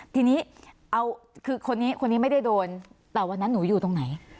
ทีนี้เอาคือคนนี้คนนี้ไม่ได้โดนแต่วันนั้นหนูอยู่ตรงไหน